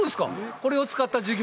これを使った授業が？